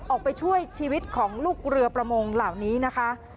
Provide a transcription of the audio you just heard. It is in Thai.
ออกไปช่วยชีวิตของลูกเรือประมงเหล่านี้นะคะ